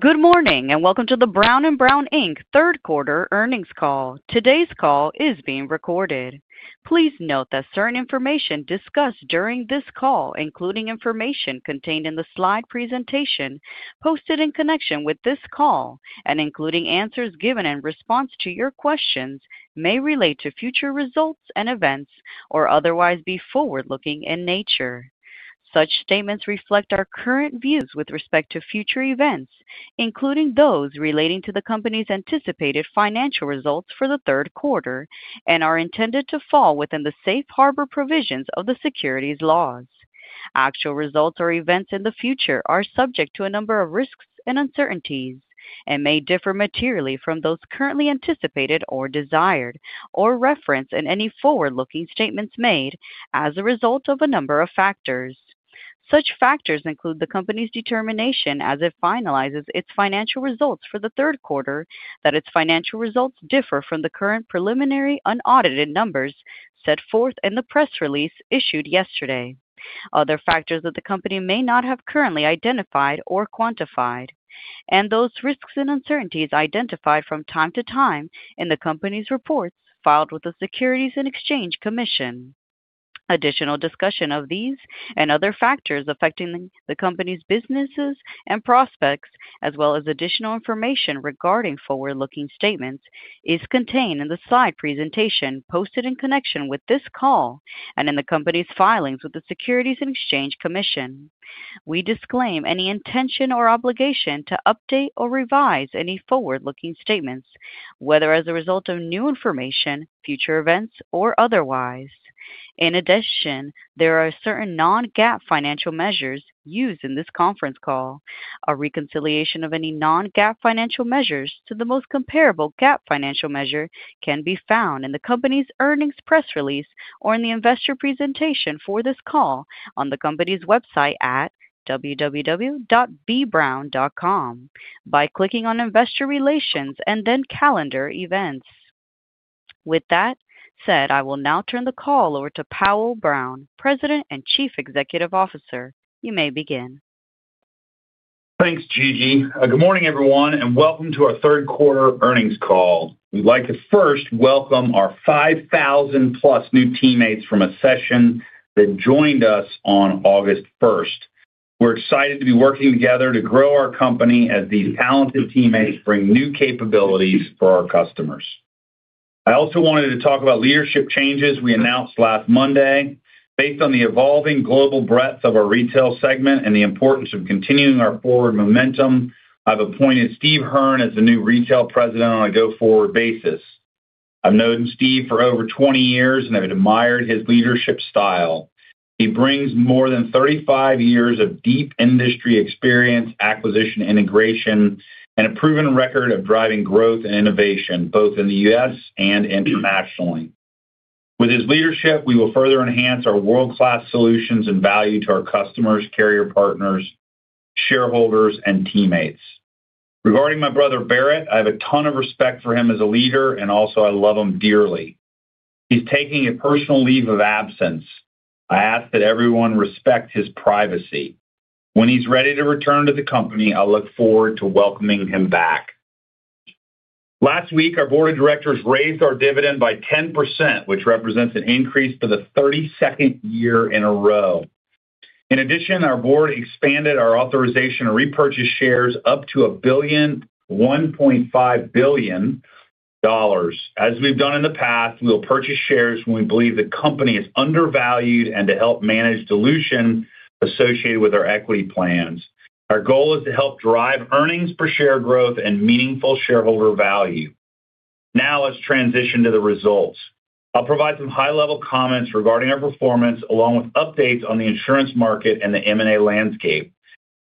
Good morning and welcome to the Brown & Brown, Inc. Third Quarter Earnings Call. Today's call is being recorded. Please note that certain information discussed during this call, including information contained in the slide presentation posted in connection with this call and including answers given in response to your questions, may relate to future results and events or otherwise be forward-looking in nature. Such statements reflect our current views with respect to future events, including those relating to the company's anticipated financial results for the third quarter and are intended to fall within the safe harbor provisions of the securities laws. Actual results or events in the future are subject to a number of risks and uncertainties and may differ materially from those currently anticipated or desired or referenced in any forward-looking statements made as a result of a number of factors. Such factors include the company's determination as it finalizes its financial results for the third quarter that its financial results differ from the current preliminary unaudited numbers set forth in the press release issued yesterday, other factors that the company may not have currently identified or quantified, and those risks and uncertainties identified from time to time in the company's reports filed with the Securities and Exchange Commission. Additional discussion of these and other factors affecting the company's businesses and prospects, as well as additional information regarding forward-looking statements, is contained in the slide presentation posted in connection with this call and in the company's filings with the Securities and Exchange Commission. We disclaim any intention or obligation to update or revise any forward-looking statements, whether as a result of new information, future events, or otherwise. In addition, there are certain non-GAAP financial measures used in this conference call. A reconciliation of any non-GAAP financial measures to the most comparable GAAP financial measure can be found in the company's earnings press release or in the investor presentation for this call on the company's website at www.bbrown.com by clicking on Investor Relations and then Calendar Events. With that said, I will now turn the call over to Powell Brown, President and Chief Executive Officer. You may begin. Thanks, Gigi. Good morning, everyone, and welcome to our third quarter earnings call. We'd like to first welcome our 5,000+ new teammates from AssuredPartners that joined us on August 1. We're excited to be working together to grow our company as these talented teammates bring new capabilities for our customers. I also wanted to talk about leadership changes we announced last Monday. Based on the evolving global breadth of our Retail segment and the importance of continuing our forward momentum, I've appointed Steve Hearn as the new Retail President on a go-forward basis. I've known Steve for over 20 years and have admired his leadership style. He brings more than 35 years of deep industry experience, acquisition integration, and a proven record of driving growth and innovation both in the U.S. and internationally. With his leadership, we will further enhance our world-class solutions and value to our customers, carrier partners, shareholders, and teammates. Regarding my brother Barrett, I have a ton of respect for him as a leader and also I love him dearly. He's taking a personal leave of absence. I ask that everyone respect his privacy. When he's ready to return to the company, I look forward to welcoming him back. Last week, our Board of Directors raised our dividend by 10%, which represents an increase for the 32nd year in a row. In addition, our Board expanded our authorization to repurchase shares up to $1.5 billion. As we've done in the past, we'll purchase shares when we believe the company is undervalued and to help manage dilution associated with our equity plans. Our goal is to help drive earnings per share growth and meaningful shareholder value. Now, let's transition to the results. I'll provide some high-level comments regarding our performance, along with updates on the insurance market and the M&A landscape.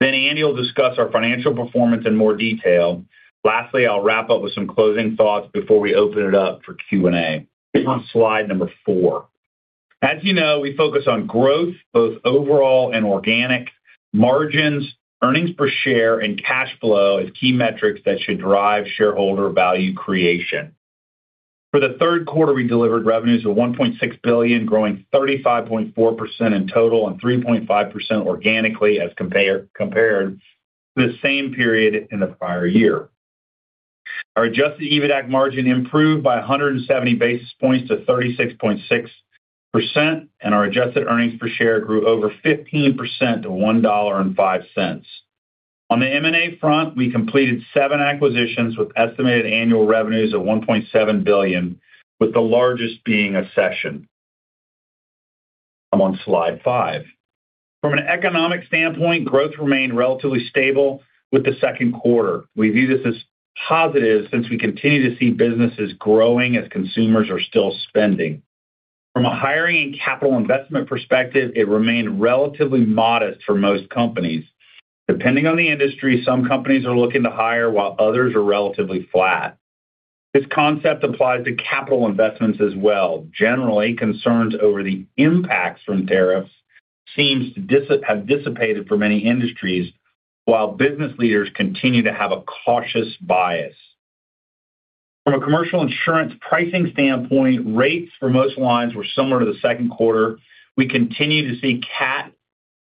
Then Andrew will discuss our financial performance in more detail. Lastly, I'll wrap up with some closing thoughts before we open it up for Q&A. On slide number four. As you know, we focus on growth, both overall and organic. Margins, earnings per share, and cash flow as key metrics that should drive shareholder value creation. For the third quarter, we delivered revenues of $1.6 billion, growing 35.4% in total and 3.5% organically as compared to the same period in the prior year. Our adjusted EBITDA margin improved by 170 basis points to 36.6%, and our adjusted earnings per share grew over 15% to $1.05. On the M&A front, we completed seven acquisitions with estimated annual revenues of $1.7 billion, with the largest being AssuredPartners. I'm on slide five. From an economic standpoint, growth remained relatively stable with the second quarter. We view this as positive since we continue to see businesses growing as consumers are still spending. From a hiring and capital investment perspective, it remained relatively modest for most companies. Depending on the industry, some companies are looking to hire, while others are relatively flat. This concept applies to capital investments as well. Generally, concerns over the impacts from tariffs seem to have dissipated for many industries, while business leaders continue to have a cautious bias. From a commercial insurance pricing standpoint, rates for most lines were similar to the second quarter. We continue to see CAT,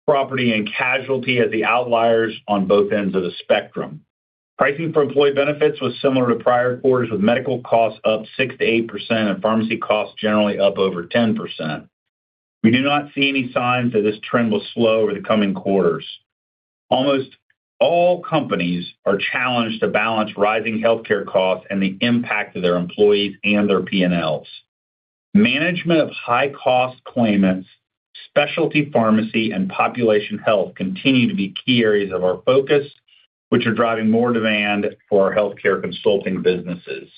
property, and casualty as the outliers on both ends of the spectrum. Pricing for employee benefits was similar to prior quarters, with medical costs up 6%-8% and pharmacy costs generally up over 10%. We do not see any signs that this trend will slow over the coming quarters. Almost all companies are challenged to balance rising health care costs and the impact to their employees and their P&Ls. Management of high-cost claimants, specialty pharmacy, and population health continue to be key areas of our focus, which are driving more demand for our health care consulting businesses.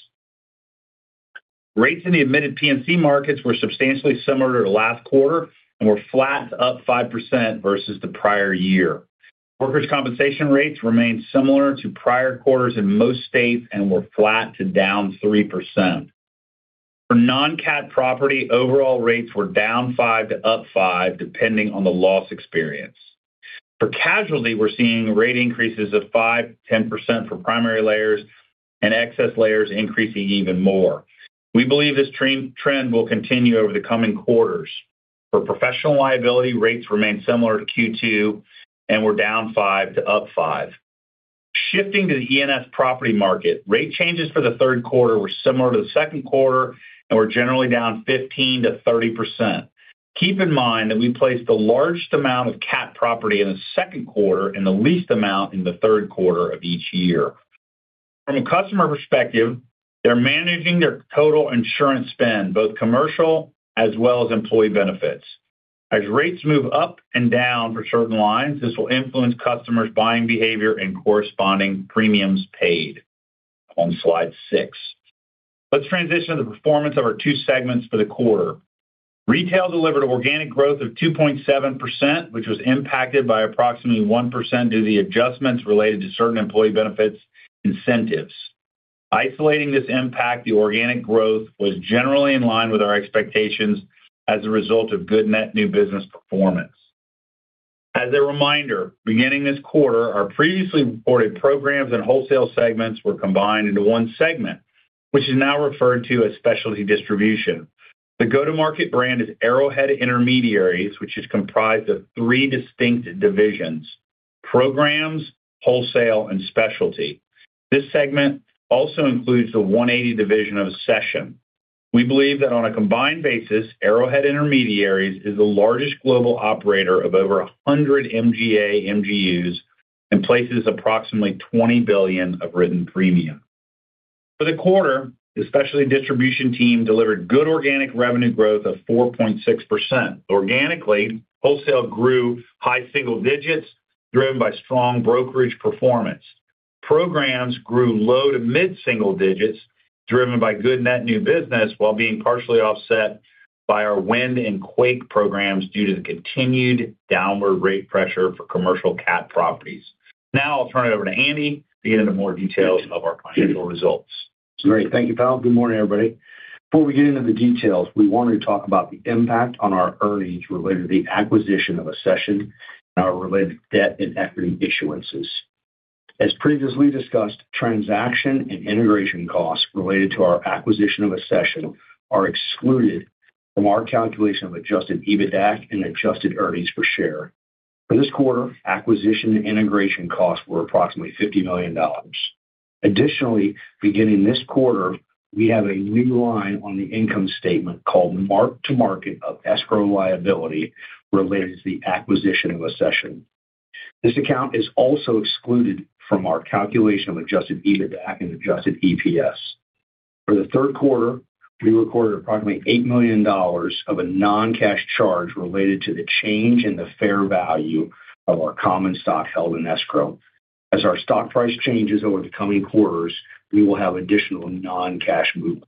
Rates in the admitted P&C markets were substantially similar to the last quarter and were flat to up 5% versus the prior year. Workers' compensation rates remained similar to prior quarters in most states and were flat to down 3%. For non-CAT property, overall rates were down 5% to up 5%, depending on the loss experience. For casualty, we're seeing rate increases of 5%-10% for primary layers and excess layers increasing even more. We believe this trend will continue over the coming quarters. For professional liability, rates remain similar to Q2 and were down 5% to up 5%. Shifting to the E&S property market, rate changes for the third quarter were similar to the second quarter and were generally down 15%-30%. Keep in mind that we placed the largest amount of CAT property in the second quarter and the least amount in the third quarter of each year. From a customer perspective, they're managing their total insurance spend, both commercial as well as employee benefits. As rates move up and down for certain lines, this will influence customers' buying behavior and corresponding premiums paid. On slide six, let's transition to the performance of our two segments for the quarter. Retail delivered organic growth of 2.7%, which was impacted by approximately 1% due to the adjustments related to certain employee benefits incentives. Isolating this impact, the organic growth was generally in line with our expectations as a result of good net new business performance. As a reminder, beginning this quarter, our previously reported programs and wholesale segments were combined into one segment, which is now referred to as specialty distribution. The go-to-market brand is Arrowhead Intermediaries, which is comprised of three distinct divisions: programs, wholesale, and specialty. This segment also includes the 180 division of a session. We believe that on a combined basis, Arrowhead Intermediaries is the largest global operator of over 100 MGA/MGUs and places approximately $20 billion of written premium. For the quarter, the specialty distribution team delivered good organic revenue growth of 4.6%. Organically, wholesale grew high single digits, driven by strong brokerage performance. Programs grew low to mid-single digits, driven by good net new business, while being partially offset by our wind and quake programs due to the continued downward rate pressure for commercial CAT properties. Now, I'll turn it over to Andrew to get into more details of our financial results. Great. Thank you, Powell. Good morning, everybody. Before we get into the details, we wanted to talk about the impact on our earnings related to the acquisition of AssuredPartners and our related debt and equity issuances. As previously discussed, transaction and integration costs related to our acquisition of AssuredPartners are excluded from our calculation of adjusted EBITDA and adjusted earnings per share. For this quarter, acquisition and integration costs were approximately $50 million. Additionally, beginning this quarter, we have a new line on the income statement called mark-to-market of escrow liability related to the acquisition of AssuredPartners. This account is also excluded from our calculation of adjusted EBITDA and adjusted EPS. For the third quarter, we recorded approximately $8 million of a non-cash charge related to the change in the fair value of our common stock held in escrow. As our stock price changes over the coming quarters, we will have additional non-cash movements.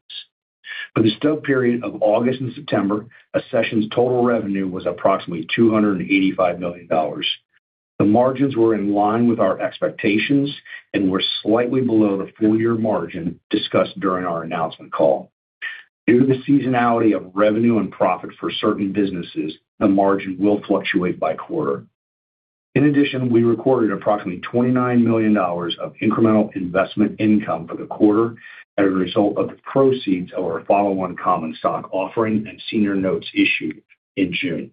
For the stub period of August and September, AssuredPartners' total revenue was approximately $285 million. The margins were in line with our expectations and were slightly below the full-year margin discussed during our announcement call. Due to the seasonality of revenue and profit for certain businesses, the margin will fluctuate by quarter. In addition, we recorded approximately $29 million of incremental investment income for the quarter as a result of the proceeds of our follow-on common stock offering and senior notes issued in June.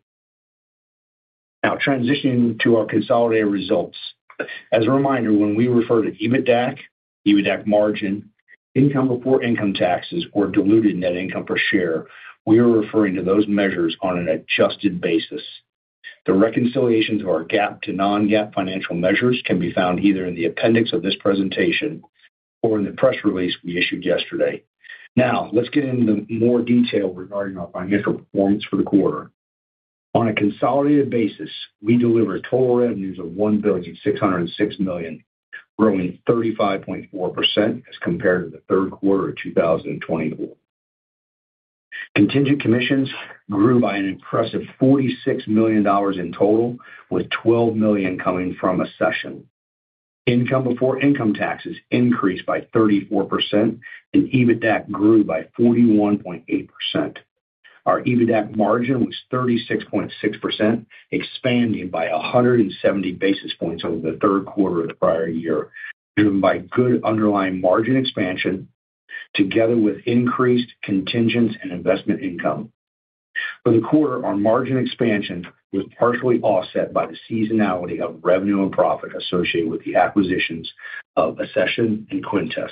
Now, transitioning to our consolidated results. As a reminder, when we refer to EBITDA margin, income before income taxes, or diluted net income per share, we are referring to those measures on an adjusted basis. The reconciliations of our GAAP to non-GAAP financial measures can be found either in the appendix of this presentation or in the press release we issued yesterday. Now, let's get into more detail regarding our financial performance for the quarter. On a consolidated basis, we delivered total revenues of $1,606 million, growing 35.4% as compared to the third quarter of 2024. Contingent commissions grew by an impressive $46 million in total, with $12 million coming from AssuredPartners. Income before income taxes increased by 34% and EBITDA grew by 41.8%. Our EBITDA margin was 36.6%, expanding by 170 basis points over the third quarter of the prior year, driven by good underlying margin expansion together with increased contingents and investment income. For the quarter, our margin expansion was partially offset by the seasonality of revenue and profit associated with the acquisitions of AssuredPartners and Quintus.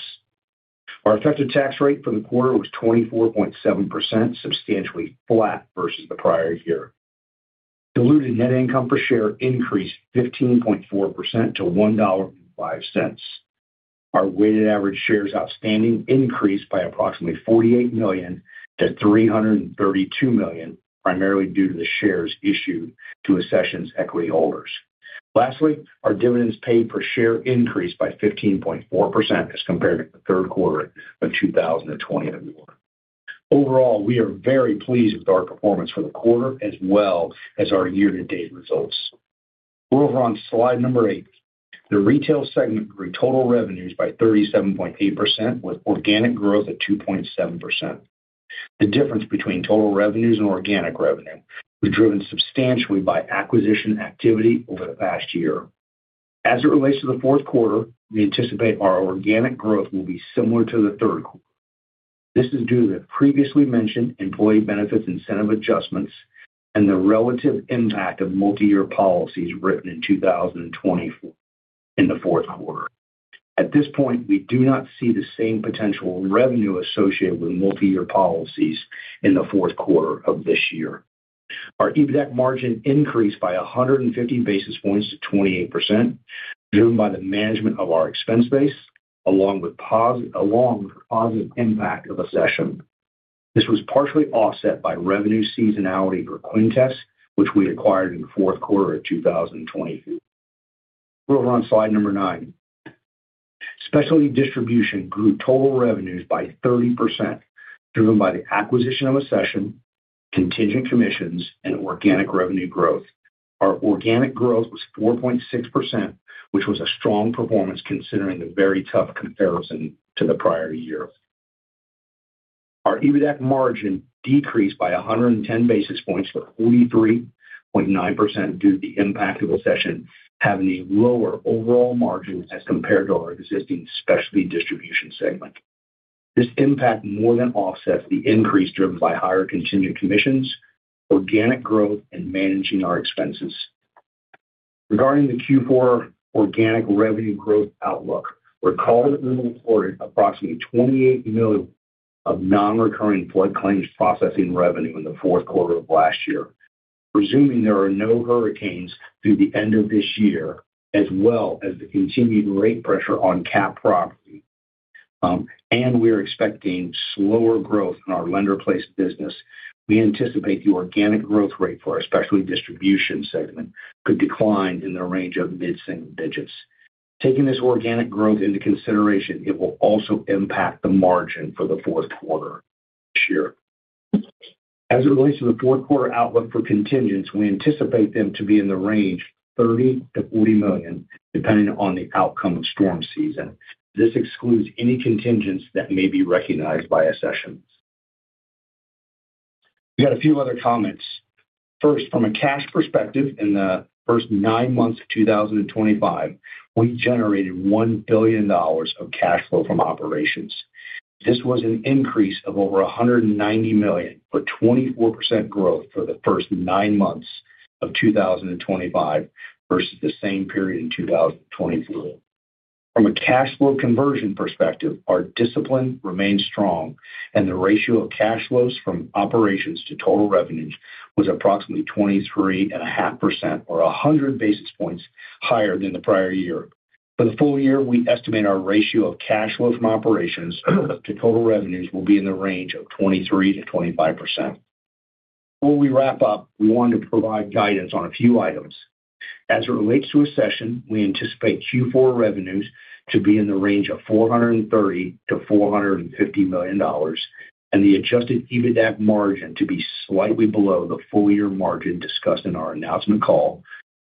Our effective tax rate for the quarter was 24.7%, substantially flat versus the prior year. Diluted net income per share increased 15.4% to $1.05. Our weighted average shares outstanding increased by approximately 48 million-332 million, primarily due to the shares issued to AssuredPartners' equity holders. Lastly, our dividends paid per share increased by 15.4% as compared to the third quarter of 2020. Overall, we are very pleased with our performance for the quarter, as well as our year-to-date results. We're over on slide number eight. The Retail segment grew total revenues by 37.8%, with organic growth at 2.7%. The difference between total revenues and organic revenue was driven substantially by acquisition activity over the past year. As it relates to the fourth quarter, we anticipate our organic growth will be similar to the third quarter. This is due to the previously mentioned employee benefits incentive adjustments and the relative impact of multi-year policies written in 2024 in the fourth quarter. At this point, we do not see the same potential revenue associated with multi-year policies in the fourth quarter of this year. Our EBITDA margin increased by 150 basis points to 28%, driven by the management of our expense base, along with the positive impact of AssuredPartners. This was partially offset by revenue seasonality for Quintus, which we acquired in the fourth quarter of 2022. We're over on slide number nine. Specialty distribution grew total revenues by 30%, driven by the acquisition of AssuredPartners, contingent commissions, and organic revenue growth. Our organic growth was 4.6%, which was a strong performance considering the very tough comparison to the prior year. Our EBITDA margin decreased by 110 basis points to 43.9% due to the impact of AssuredPartners having a lower overall margin as compared to our existing specialty distribution segment. This impact more than offsets the increase driven by higher contingent commissions, organic growth, and managing our expenses. Regarding the Q4 organic revenue growth outlook, we're called to report approximately $28 million of non-recurring flood claims processing revenue in the fourth quarter of last year. Presuming there are no hurricanes through the end of this year, as well as the continued rate pressure on CAT property, and we are expecting slower growth in our lender-placed business, we anticipate the organic growth rate for our specialty distribution segment could decline in the range of mid-single digits. Taking this organic growth into consideration, it will also impact the margin for the fourth quarter this year. As it relates to the fourth quarter outlook for contingent commissions, we anticipate them to be in the range of $30 million-$40 million, depending on the outcome of storm season. This excludes any contingent commissions that may be recognized by AssuredPartners. We got a few other comments. First, from a cash perspective, in the first nine months of 2025, we generated $1 billion of cash flow from operations. This was an increase of over $190 million, but 24% growth for the first nine months of 2025 versus the same period in 2024. From a cash flow conversion perspective, our discipline remains strong and the ratio of cash flows from operations to total revenues was approximately 23.5% or 100 basis points higher than the prior year. For the full year, we estimate our ratio of cash flow from operations to total revenues will be in the range of 23%-25%. Before we wrap up, we wanted to provide guidance on a few items. As it relates to AssuredPartners, we anticipate Q4 revenues to be in the range of $430 million-$450 million and the adjusted EBITDA margin to be slightly below the full-year margin discussed in our announcement call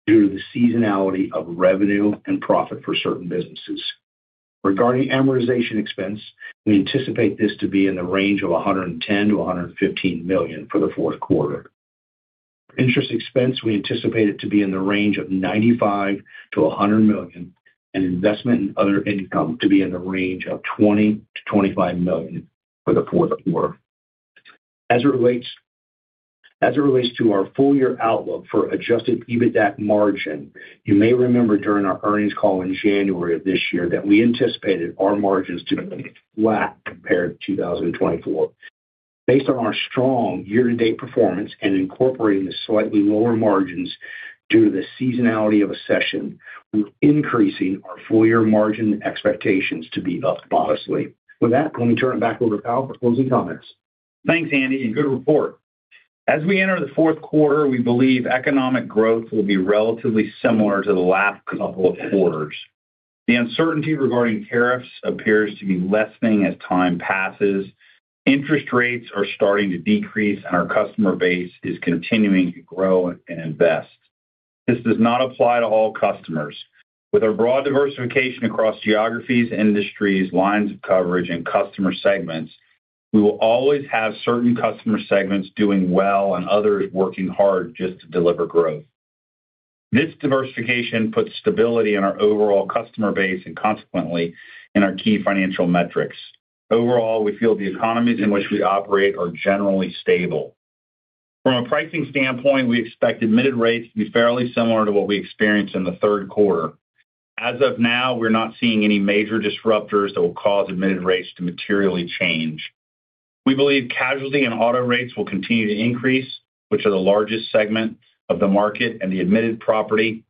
due to the seasonality of revenue and profit for certain businesses. Regarding amortization expense, we anticipate this to be in the range of $110 million-$115 million for the fourth quarter. Interest expense, we anticipate it to be in the range of $95 million-$100 million, and investment and other income to be in the range of $20 million-$25 million for the fourth quarter. As it relates to our full-year outlook for adjusted EBITDA margin, you may remember during our earnings call in January of this year that we anticipated our margins to be flat compared to 2024. Based on our strong year-to-date performance and incorporating the slightly lower margins due to the seasonality of AssuredPartners, we're increasing our full-year margin expectations to be up modestly. With that, let me turn it back over to Powell for closing comments. Thanks, Andrew, and good report. As we enter the fourth quarter, we believe economic growth will be relatively similar to the last couple of quarters. The uncertainty regarding tariffs appears to be lessening as time passes. Interest rates are starting to decrease, and our customer base is continuing to grow and invest. This does not apply to all customers. With our broad diversification across geographies, industries, lines of coverage, and customer segments, we will always have certain customer segments doing well and others working hard just to deliver growth. This diversification puts stability in our overall customer base and, consequently, in our key financial metrics. Overall, we feel the economies in which we operate are generally stable. From a pricing standpoint, we expect admitted rates to be fairly similar to what we experienced in the third quarter. As of now, we're not seeing any major disruptors that will cause admitted rates to materially change. We believe casualty and auto rates will continue to increase, which are the largest segment of the market, and that admitted property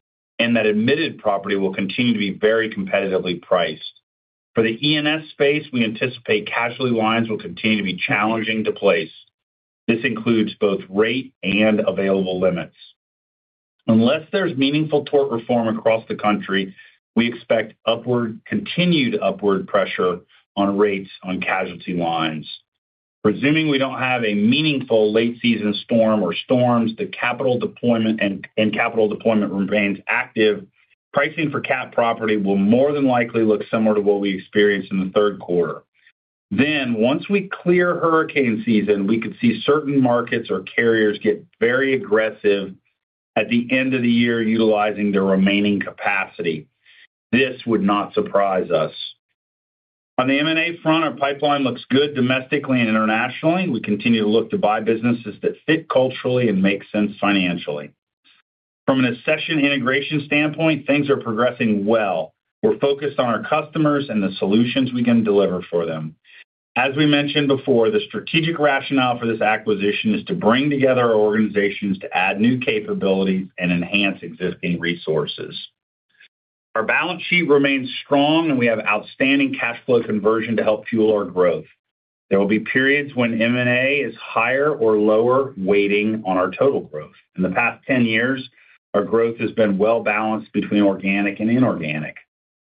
will continue to be very competitively priced. For the E&S space, we anticipate casualty lines will continue to be challenging to place. This includes both rate and available limits. Unless there's meaningful tort reform across the country, we expect continued upward pressure on rates on casualty lines. Presuming we don't have a meaningful late-season storm or storms, the capital deployment remains active. Pricing for CAT property will more than likely look similar to what we experienced in the third quarter. Once we clear hurricane season, we could see certain markets or carriers get very aggressive at the end of the year utilizing their remaining capacity. This would not surprise us. On the M&A front, our pipeline looks good domestically and internationally. We continue to look to buy businesses that fit culturally and make sense financially. From an accession integration standpoint, things are progressing well. We're focused on our customers and the solutions we can deliver for them. As we mentioned before, the strategic rationale for this acquisition is to bring together our organizations to add new capabilities and enhance existing resources. Our balance sheet remains strong, and we have outstanding cash flow conversion to help fuel our growth. There will be periods when M&A is higher or lower weighting on our total growth. In the past 10 years, our growth has been well balanced between organic and inorganic.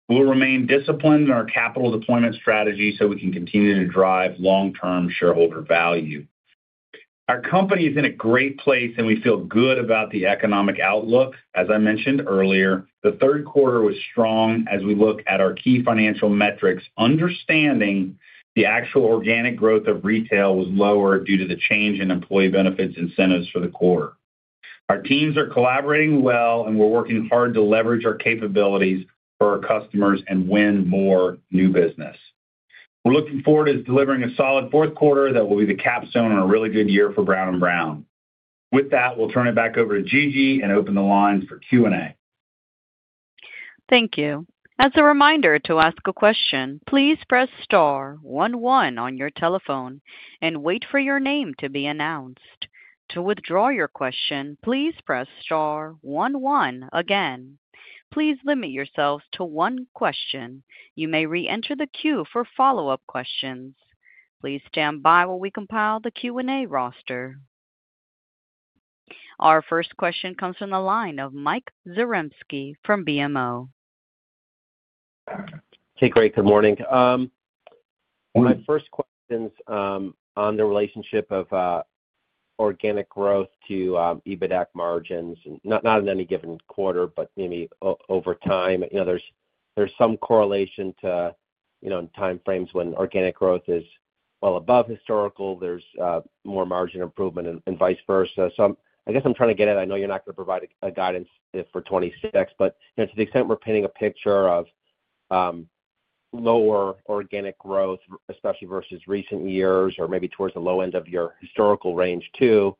We'll remain disciplined in our capital deployment strategy so we can continue to drive long-term shareholder value. Our company is in a great place and we feel good about the economic outlook. As I mentioned earlier, the third quarter was strong as we look at our key financial metrics, understanding the actual organic growth of retail was lower due to the change in employee benefits incentives for the quarter. Our teams are collaborating well and we're working hard to leverage our capabilities for our customers and win more new business. We're looking forward to delivering a solid fourth quarter that will be the capstone on a really good year for Brown & Brown. With that, we'll turn it back over to Gigi and open the lines for Q&A. Thank you. As a reminder to ask a question, please press star one one on your telephone and wait for your name to be announced. To withdraw your question, please press star one one again. Please limit yourselves to one question. You may re-enter the queue for follow-up questions. Please stand by while we compile the Q&A roster. Our first question comes from the line of Mike Zaremski from BMO. Hey, great. Good morning. My first question is on the relationship of organic growth to EBITDA margins, not in any given quarter, but maybe over time. There's some correlation to, in time frames when organic growth is well above historical, there's more margin improvement and vice versa. I guess I'm trying to get at, I know you're not going to provide a guidance for 2026, but to the extent we're painting a picture of lower organic growth, especially versus recent years or maybe towards the low end of your historical range too,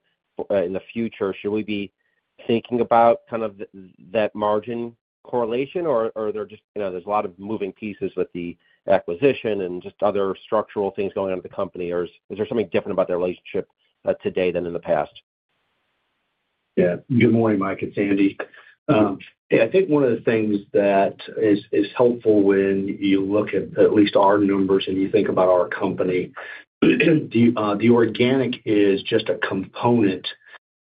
in the future, should we be thinking about kind of that margin correlation or are there just, there's a lot of moving pieces with the acquisition and just other structural things going on in the company? Is there something different about their relationship today than in the past? Yeah. Good morning, Mike and Andrew. I think one of the things that is helpful when you look at at least our numbers and you think about our company, the organic is just a component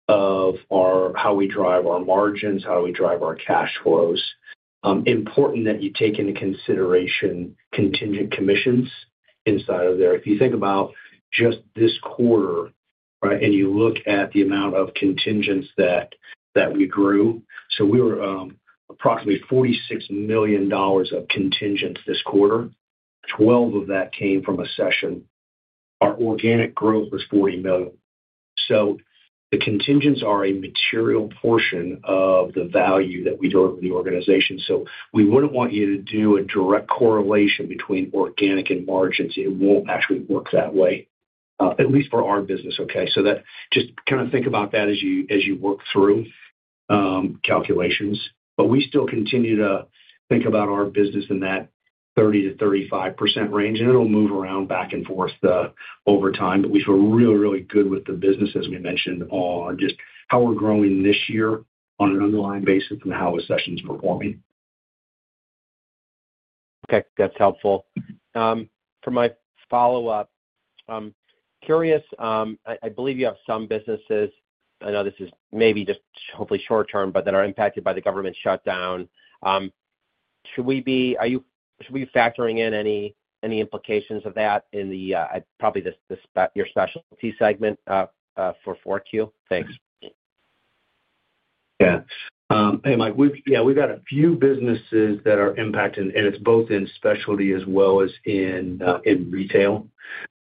of how we drive our margins, how we drive our cash flows. Important that you take into consideration contingent commissions inside of there. If you think about just this quarter, right, and you look at the amount of contingents that we grew, we were approximately $46 million of contingents this quarter. $12 million of that came from a session. Our organic growth was $40 million. The contingents are a material portion of the value that we deliver in the organization. We wouldn't want you to do a direct correlation between organic and margins. It won't actually work that way, at least for our business, okay? Just kind of think about that as you work through calculations. We still continue to think about our business in that 30%-35% range, and it'll move around back and forth over time. We feel really, really good with the business, as we mentioned, on just how we're growing this year on an underlying basis and how a session is performing. Okay, that's helpful. For my follow-up, I'm curious, I believe you have some businesses, I know this is maybe just hopefully short-term, but that are impacted by the government shutdown. Should we be, are you, should we be factoring in any implications of that in the, probably this your specialty segment for 4Q? Thanks. Yeah. Hey, Mike, we've got a few businesses that are impacted, and it's both in specialty as well as in retail.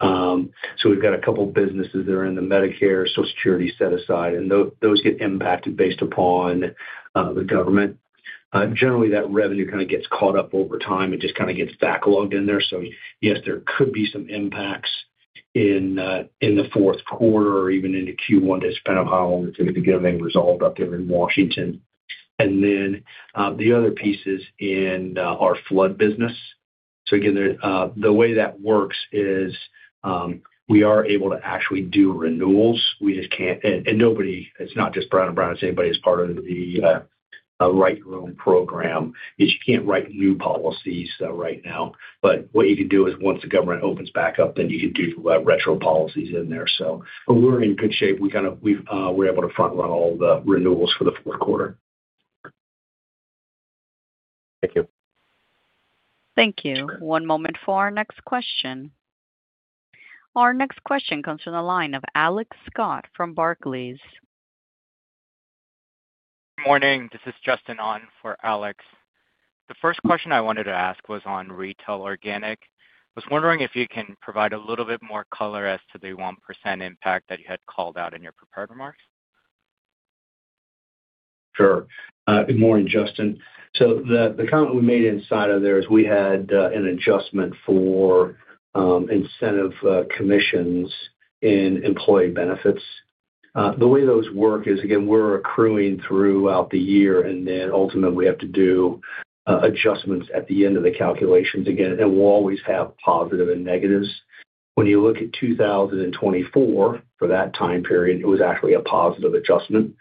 We've got a couple of businesses that are in the Medicare Social Security set aside, and those get impacted based upon the government. Generally, that revenue gets caught up over time and just gets backlogged in there. Yes, there could be some impacts in the fourth quarter or even into Q1 to just how long it takes to get everything resolved up there in Washington. The other piece is in our flood business. The way that works is we are able to actually do renewals. We just can't, and nobody, it's not just Brown & Brown, it's anybody that's part of the Write Your Own program, you can't write new policies right now. What you can do is once the government opens back up, you can do retro policies in there. We're in good shape. We were able to front run all the renewals for the fourth quarter. Thank you. Thank you. One moment for our next question. Our next question comes from the line of Alex Scott from Barclays. Morning. This is Justin on for Alex. The first question I wanted to ask was on retail organic. I was wondering if you can provide a little bit more color as to the 1% impact that you had called out in your prepared remarks. Sure. Good morning, Justin. The comment we made inside of there is we had an adjustment for incentive commissions in employee benefits. The way those work is, again, we're accruing throughout the year, and then ultimately we have to do adjustments at the end of the calculations again. We'll always have positives and negatives. When you look at 2024, for that time period, it was actually a positive adjustment.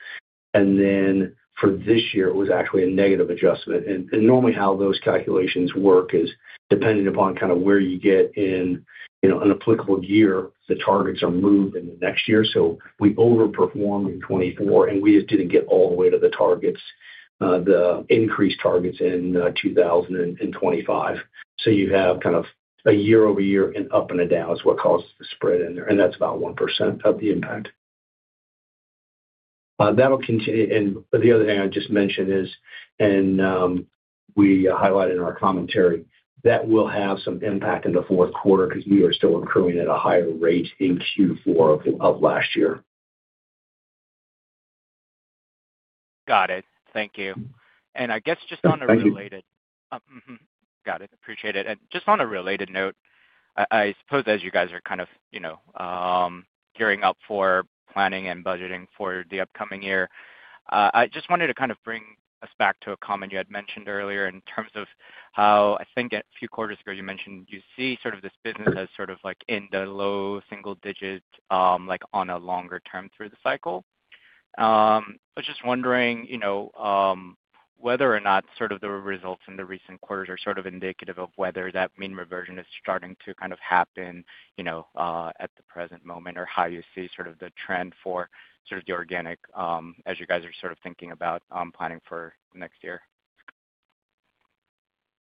For this year, it was actually a negative adjustment. Normally how those calculations work is dependent upon kind of where you get in, you know, an applicable year, the targets are moved in the next year. We overperformed in 2024, and we just didn't get all the way to the targets, the increased targets in 2025. You have kind of a year over year and up and a down is what causes the spread in there. That's about 1% of the impact. That'll continue. The other thing I just mentioned is, and we highlighted in our commentary, that will have some impact in the fourth quarter because we are still accruing at a higher rate in Q4 of last year. Got it. Thank you. I guess just on a related. Thank you. Got it. Appreciate it. Just on a related note, as you guys are gearing up for planning and budgeting for the upcoming year, I wanted to bring us back to a comment you had mentioned earlier in terms of how I think a few quarters ago you mentioned you see this business as in the low single digit, like on a longer term through the cycle. I was just wondering whether or not the results in the recent quarters are indicative of whether that mean reversion is starting to happen at the present moment or how you see the trend for the organic as you guys are thinking about planning for next year.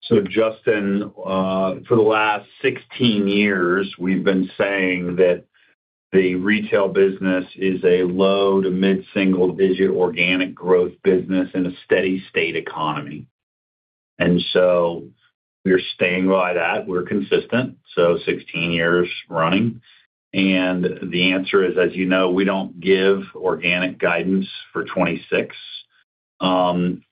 For the last 16 years, we've been saying that the retail business is a low to mid-single digit organic growth business in a steady state economy. We're staying by that. We're consistent, 16 years running. The answer is, as you know, we don't give organic guidance for 2026,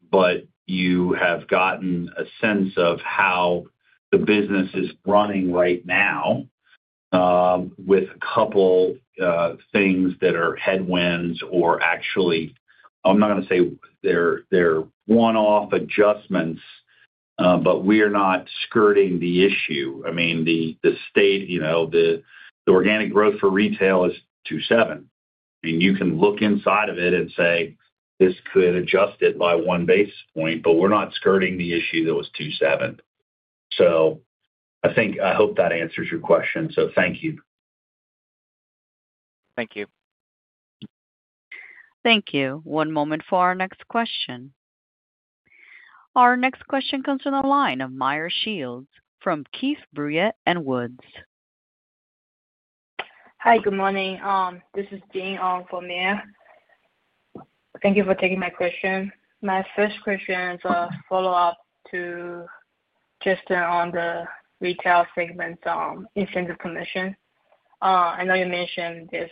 but you have gotten a sense of how the business is running right now, with a couple things that are headwinds. Actually, I'm not going to say they're one-off adjustments, but we are not skirting the issue. The organic growth for retail is 2.7%. You can look inside of it and say, this could adjust it by one basis point, but we're not skirting the issue that it was 2.7%. I hope that answers your question. Thank you. Thank you. Thank you. One moment for our next question. Our next question comes from the line of Meyer Shields from Keefe, Bruyette & Woods. Hi, good morning. This is Dean from Meyer. Thank you for taking my question. My first question is a follow-up to Justin on the retail segment incentive commission. I know you mentioned there's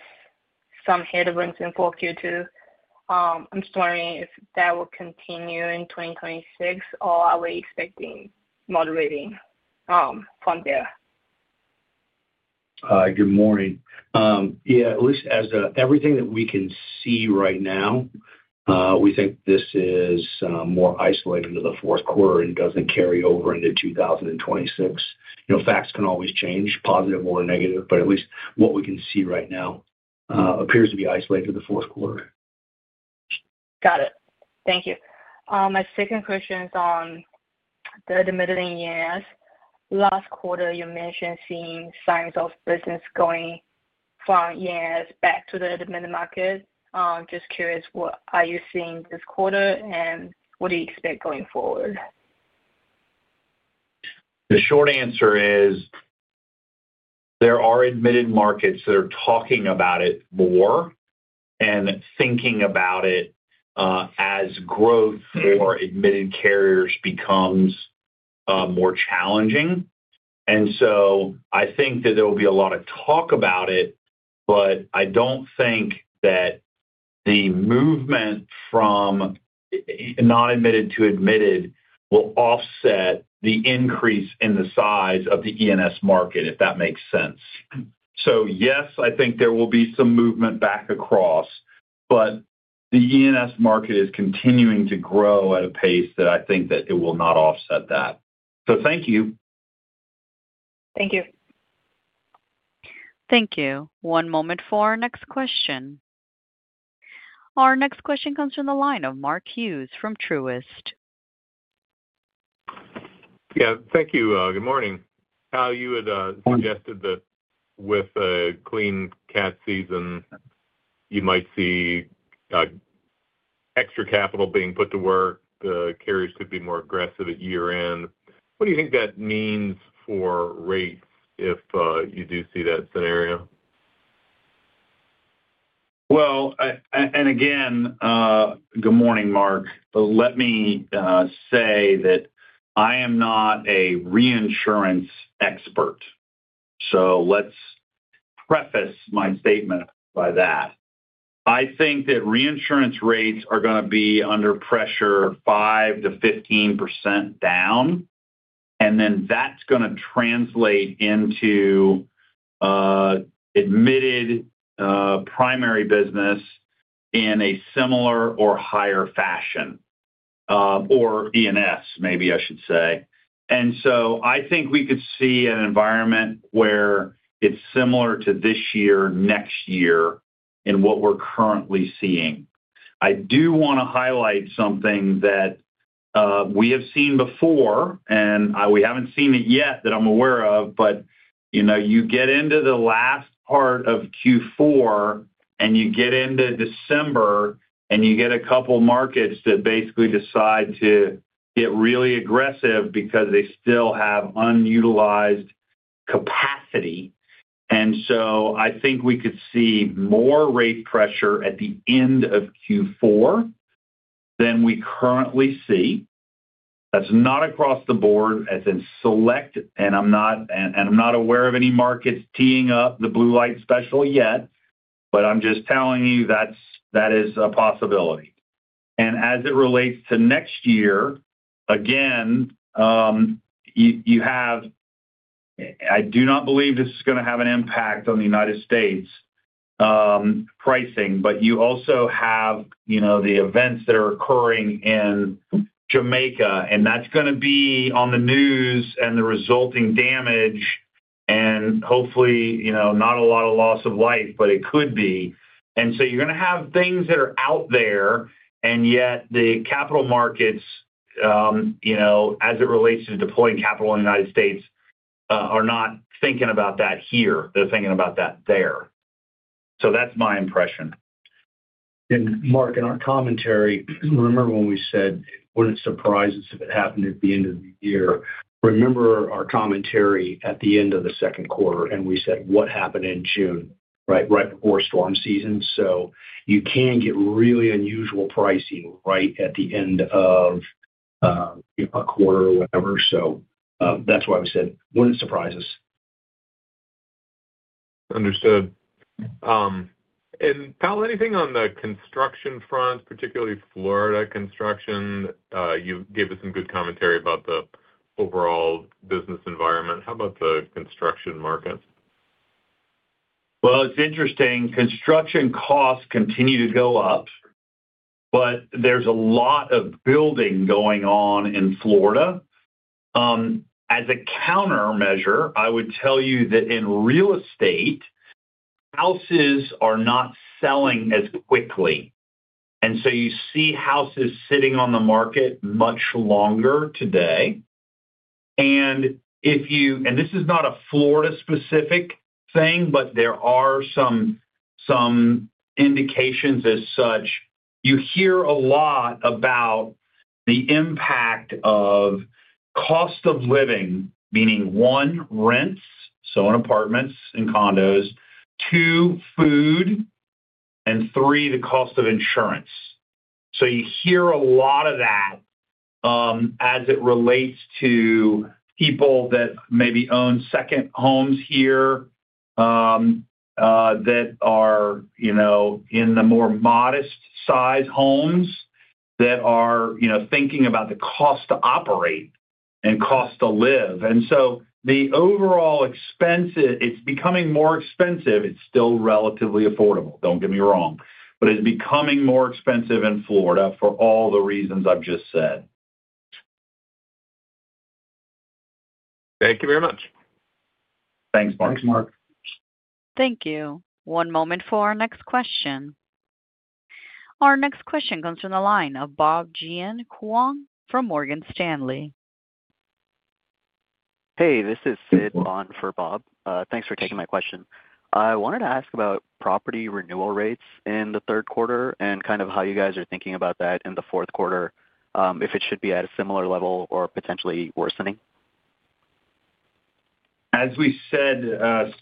some headwinds in Q4. I'm just wondering if that will continue in 2026 or are we expecting moderating from there? Good morning. At least as everything that we can see right now, we think this is more isolated to the fourth quarter and doesn't carry over into 2026. Facts can always change, positive or negative, but at least what we can see right now appears to be isolated to the fourth quarter. Got it. Thank you. My second question is on the admitted E&S. Last quarter, you mentioned seeing signs of business going from E&S back to the admitted market. I'm just curious, what are you seeing this quarter, and what do you expect going forward? The short answer is there are admitted markets that are talking about it more and thinking about it as growth for admitted carriers becomes more challenging. I think that there will be a lot of talk about it, but I don't think that the movement from non-admitted to admitted will offset the increase in the size of the E&S market, if that makes sense. Yes, I think there will be some movement back across, but the E&S market is continuing to grow at a pace that I think that it will not offset that. Thank you. Thank you. Thank you. One moment for our next question. Our next question comes from the line of Mark Hughes from Truist. Thank you. Good morning. You had suggested that with a clean CAT season, you might see extra capital being put to work. The carriers could be more aggressive at year-end. What do you think that means for rates if you do see that scenario? Good morning, Mark. Let me say that I am not a reinsurance expert. I want to preface my statement by that. I think that reinsurance rates are going to be under pressure, 5%-15% down. That's going to translate into admitted primary business in a similar or higher fashion, or E&S, maybe I should say. I think we could see an environment where it's similar to this year, next year, in what we're currently seeing. I do want to highlight something that we have seen before, and we haven't seen it yet that I'm aware of, but you get into the last part of Q4 and you get into December and you get a couple of markets that basically decide to get really aggressive because they still have unutilized capacity. I think we could see more rate pressure at the end of Q4 than we currently see. That's not across the board. I'm not aware of any markets teeing up the blue light special yet, but I'm just telling you that is a possibility. As it relates to next year, again, I do not believe this is going to have an impact on the U.S. pricing, but you also have the events that are occurring in Jamaica, and that's going to be on the news and the resulting damage and hopefully, not a lot of loss of life, but it could be. You're going to have things that are out there, and yet the capital markets, as it relates to deploying capital in the U.S., are not thinking about that here. They're thinking about that there. That's my impression. Mark, in our commentary, remember when we said it wouldn't surprise us if it happened at the end of the year. Remember our commentary at the end of the second quarter, and we said what happened in June, right? Right before storm season, you can get really unusual pricing right at the end of a quarter or whatever. That's why we said it wouldn't surprise us. Understood. Powell, anything on the construction front, particularly Florida construction? You gave us some good commentary about the overall business environment. How about the construction markets? It's interesting. Construction costs continue to go up, but there's a lot of building going on in Florida. As a countermeasure, I would tell you that in real estate, houses are not selling as quickly, so you see houses sitting on the market much longer today. This is not a Florida-specific thing, but there are some indications as such. You hear a lot about the impact of cost of living, meaning one, rents, so in apartments and condos, two, food, and three, the cost of insurance. You hear a lot of that as it relates to people that maybe own second homes here that are, you know, in the more modest size homes that are, you know, thinking about the cost to operate and cost to live. The overall expense, it's becoming more expensive. It's still relatively affordable, don't get me wrong, but it's becoming more expensive in Florida for all the reasons I've just said. Thank you very much. Thanks, Mark. Thanks, Mark. Thank you. One moment for our next question. Our next question comes from the line of Jian Huang from Morgan Stanley. Hey, this is Sid on for Bob. Thanks for taking my question. I wanted to ask about property renewal rates in the third quarter and how you guys are thinking about that in the fourth quarter, if it should be at a similar level or potentially worsening. As we said,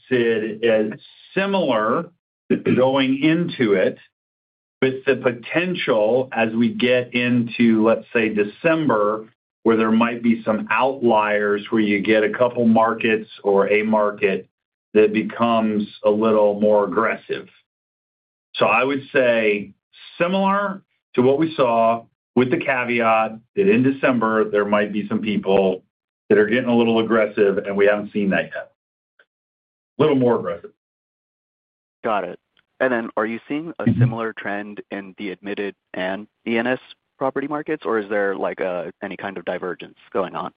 Sid, it's similar going into it, with the potential as we get into, let's say, December, where there might be some outliers where you get a couple of markets or a market that becomes a little more aggressive. I would say similar to what we saw, with the caveat that in December, there might be some people that are getting a little aggressive, and we haven't seen that yet. A little more aggressive. Got it. Are you seeing a similar trend in the admitted and E&S property markets, or is there any kind of divergence going on?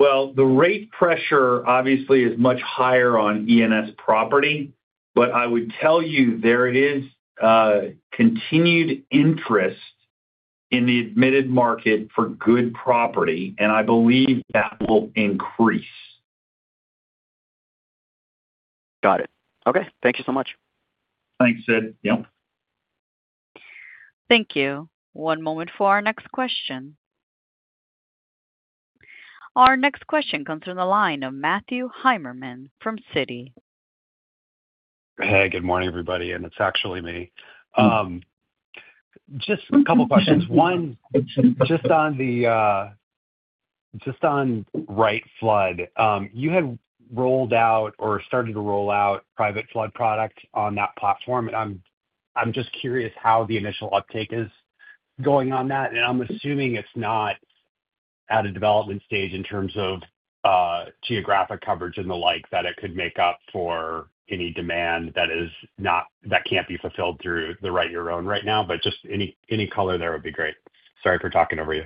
The rate pressure obviously is much higher on E&S property, but I would tell you there is continued interest in the admitted market for good property, and I believe that will increase. Got it. Okay, thank you so much. Thanks, Sid. Yep. Thank you. One moment for our next question. Our next question comes from the line of Matthew Heimermann from Citi. Hey, good morning, everybody. It's actually me. Just a couple of questions. One, just on Wright Flood, you had rolled out or started to roll out private flood products on that platform. I'm just curious how the initial uptake is going on that. I'm assuming it's not at a development stage in terms of geographic coverage and the likes that it could make up for any demand that can't be fulfilled through the Write Your Own right now, but any color there would be great. Sorry for talking over you.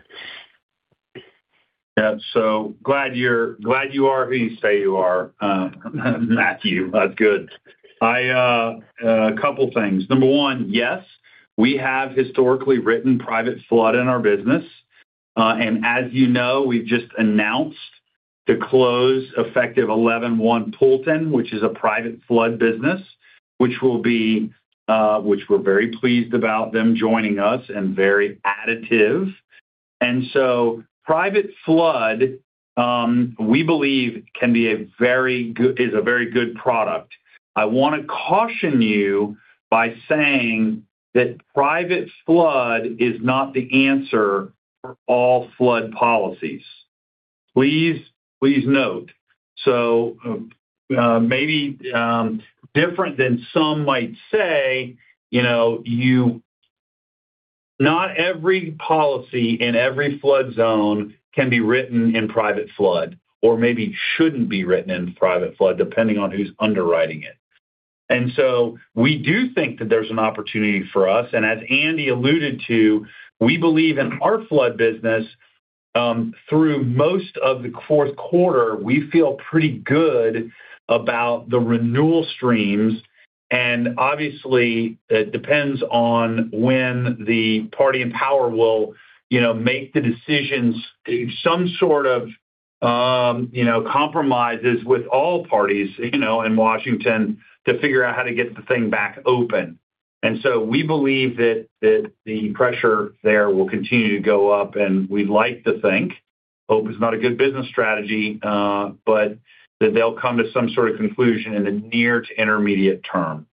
Yeah. Glad you are who you say you are, Matthew. That's good. A couple of things. Number one, yes, we have historically written private flood in our business. As you know, we've just announced the close effective 11/1 Poulton, which is a private flood business, which we're very pleased about them joining us and very additive. Private flood, we believe, can be a very good, is a very good product. I want to caution you by saying that private flood is not the answer for all flood policies. Please note. Maybe different than some might say, not every policy in every flood zone can be written in private flood or maybe shouldn't be written in private flood, depending on who's underwriting it. We do think that there's an opportunity for us. As Andrew alluded to, we believe in our flood business through most of the fourth quarter. We feel pretty good about the renewal streams. Obviously, it depends on when the party in power will make the decisions, do some sort of compromises with all parties in Washington to figure out how to get the thing back open. We believe that the pressure there will continue to go up. We'd like to think, hope is not a good business strategy, but that they'll come to some sort of conclusion in the near to intermediate term.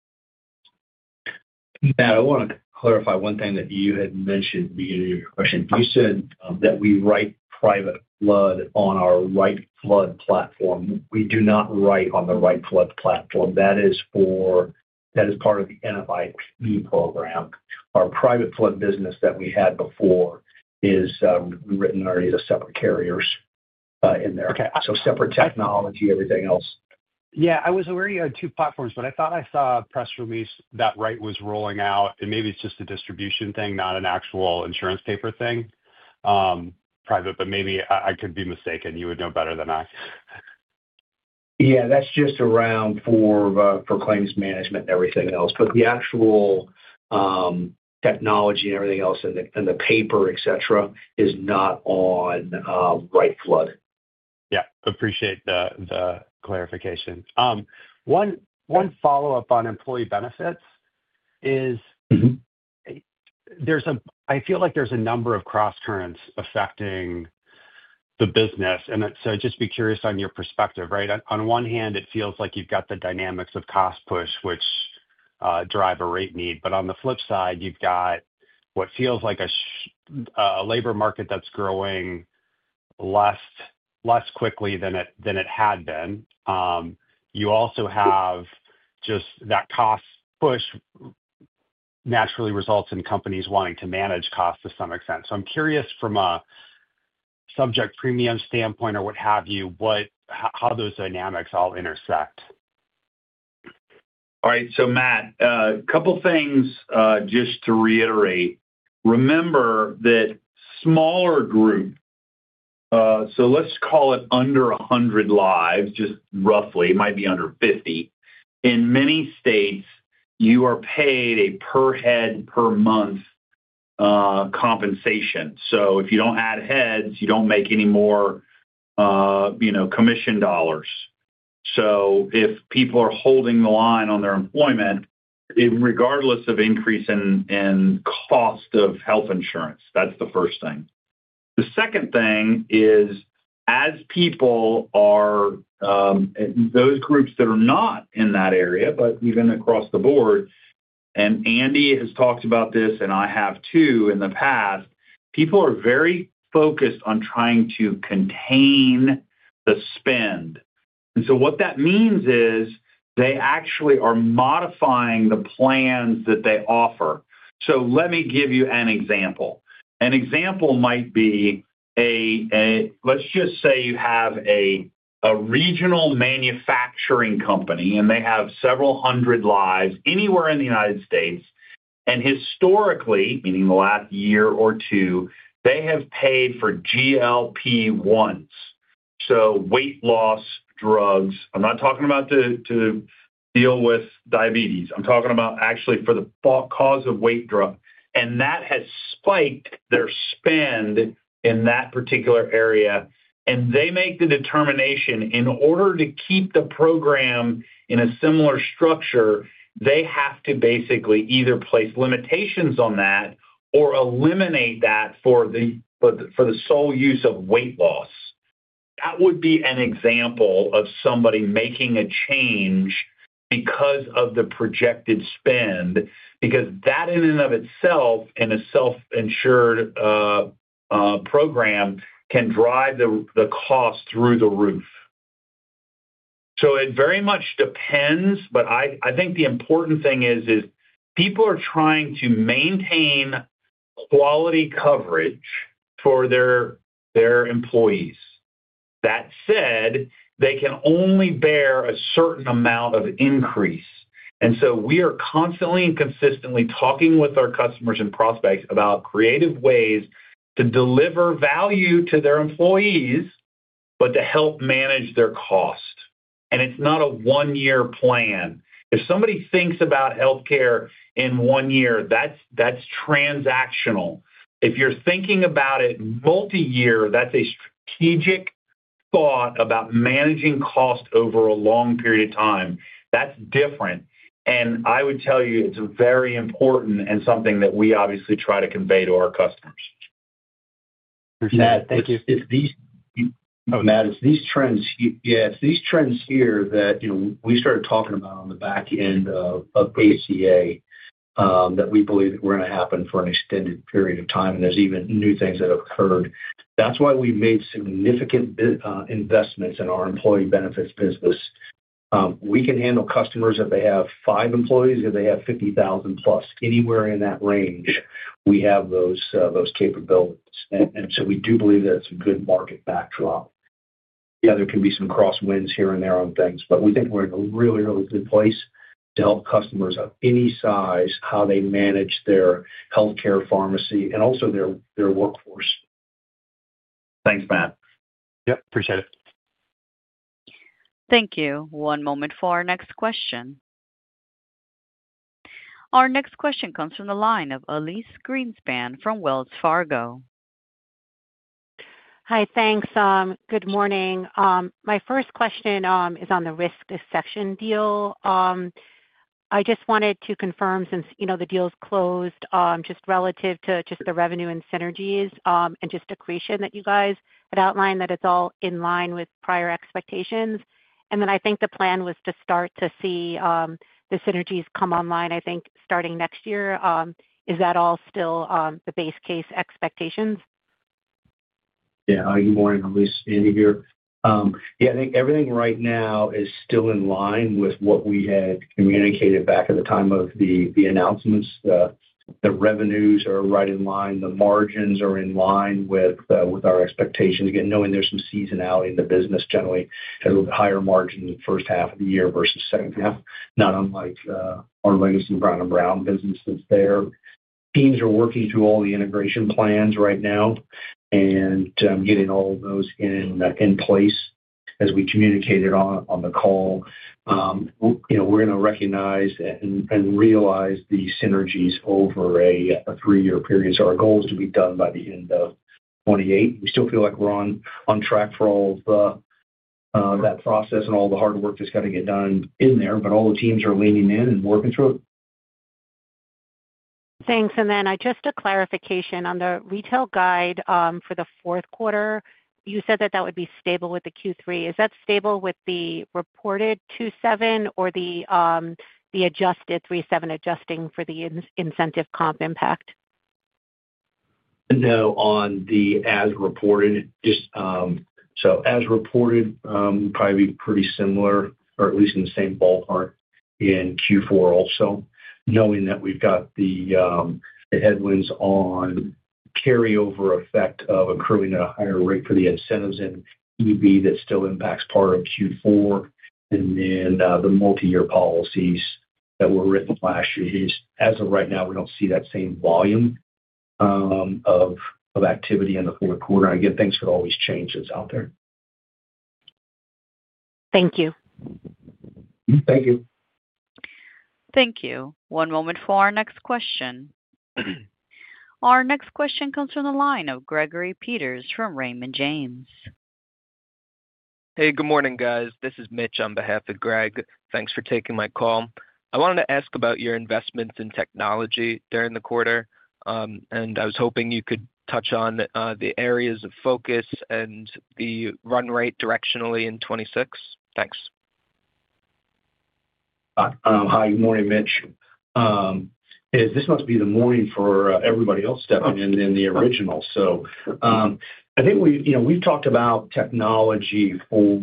Matt, I want to clarify one thing that you had mentioned at the beginning of your question. You said that we write private flood on our Wright Flood platform. We do not write on the Wright Flood platform. That is part of the NFIP program. Our private flood business that we had before is written underneath a separate carrier in there, so separate technology, everything else. Yeah, I was aware you had two platforms, but I thought I saw a press release that Wright was rolling out, and maybe it's just a distribution thing, not an actual insurance paper thing, private, but maybe I could be mistaken. You would know better than I. Yeah, that's just around for claims management and everything else. The actual technology and everything else in the paper, etc., is not on Wright Flood. Yeah, appreciate the clarification. One follow-up on employee benefits is I feel like there's a number of cross currents affecting the business. I'd just be curious on your perspective, right? On one hand, it feels like you've got the dynamics of cost push, which drive a rate need. On the flip side, you've got what feels like a labor market that's growing less quickly than it had been. You also have just that cost push naturally results in companies wanting to manage costs to some extent. I'm curious from a subject premium standpoint or what have you, how those dynamics all intersect. All right. Matt, a couple of things just to reiterate. Remember that smaller group, so let's call it under 100 lives, just roughly, it might be under 50. In many states, you are paid a per head per month compensation. If you don't add heads, you don't make any more commission dollars. If people are holding the line on their employment, regardless of increase in cost of health insurance, that's the first thing. The second thing is as people are those groups that are not in that area, but even across the board, and Andrew has talked about this, and I have too in the past, people are very focused on trying to contain the spend. What that means is they actually are modifying the plans that they offer. Let me give you an example. An example might be a regional manufacturing company, and they have several hundred lives anywhere in the United States. Historically, meaning the last year or two, they have paid for GLP-1s, so weight loss drugs. I'm not talking about to deal with diabetes. I'm talking about actually for the cause of weight. That has spiked their spend in that particular area. They make the determination in order to keep the program in a similar structure, they have to basically either place limitations on that or eliminate that for the sole use of weight loss. That would be an example of somebody making a change because of the projected spend, because that in and of itself in a self-insured program can drive the cost through the roof. It very much depends, but I think the important thing is people are trying to maintain quality coverage for their employees. That said, they can only bear a certain amount of increase. We are constantly and consistently talking with our customers and prospects about creative ways to deliver value to their employees, but to help manage their cost. It's not a one-year plan. If somebody thinks about healthcare in one year, that's transactional. If you're thinking about it multi-year, that's a strategic thought about managing cost over a long period of time. That's different. I would tell you it's very important and something that we obviously try to convey to our customers. Matt, thank you. Matt, it's these trends, yeah, it's these trends here that we started talking about on the back end of ACA that we believe that we're going to happen for an extended period of time. There's even new things that have occurred. That's why we've made significant investments in our employee benefits business. We can handle customers if they have five employees, if they have 50,000+, anywhere in that range. We have those capabilities. We do believe that it's a good market backdrop. Yeah, there can be some crosswinds here and there on things, but we think we're in a really, really good place to help customers of any size, how they manage their healthcare pharmacy and also their workforce. Thanks, Matt. Yep, appreciate it. Thank you. One moment for our next question. Our next question comes from the line of Elyse Greenspan from Wells Fargo. Hi, thanks. Good morning. My first question is on the risk dissection deal. I just wanted to confirm, since the deal's closed, just relative to the revenue and synergies and accretion that you guys had outlined, that it's all in line with prior expectations. I think the plan was to start to see the synergies come online, I think, starting next year. Is that all still the base case expectations? Yeah. Good morning, Elyse. Andrew here. I think everything right now is still in line with what we had communicated back at the time of the announcements. The revenues are right in line. The margins are in line with our expectations. Again, knowing there's some seasonality in the business, generally, has a higher margin in the first half of the year versus the second half, not unlike our legacy Brown & Brown businesses there. Teams are working through all the integration plans right now and getting all of those in place as we communicated on the call. You know, we're going to recognize and realize the synergies over a three-year period. Our goal is to be done by the end of 2028. We still feel like we're on track for all of that process and all the hard work that's got to get done in there, but all the teams are leaning in and working through it. Thanks. Just a clarification on the retail guide for the fourth quarter. You said that would be stable with Q3. Is that stable with the reported 2.7% or the adjusted 3.7% adjusting for the incentive comp impact? No, on the as reported. Just so as reported, probably be pretty similar, or at least in the same ballpark in Q4 also, knowing that we've got the headwinds on carryover effect of accruing at a higher rate for the incentives and EV that still impacts part of Q4. The multi-year policies that were written last year, as of right now, we don't see that same volume of activity in the fourth quarter. Things could always change that's out there. Thank you. Thank you. Thank you. One moment for our next question. Our next question comes from the line of Gregory Peters from Raymond James. Hey, good morning, guys. This is Mitch on behalf of Greg. Thanks for taking my call. I wanted to ask about your investments in technology during the quarter. I was hoping you could touch on the areas of focus and the run rate directionally in 2026. Thanks. Hi. Good morning, Mitch. This must be the morning for everybody else stepping in than the original. I think we, you know, we've talked about technology for